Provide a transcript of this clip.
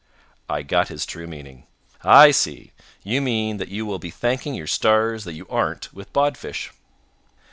I got his true meaning. "I see. You mean that you will be thanking your stars that you aren't with Bodfish."